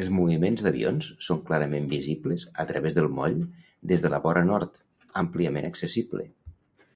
Els moviments d'avions són clarament visibles a través del moll des de la vora nord, àmpliament accessible.